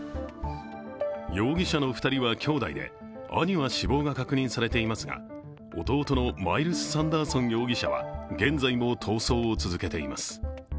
容疑者の２人は兄弟で兄は死亡が確認されていますが、弟のマイルス・サンダーソン容疑者は現在も逃走を続けています。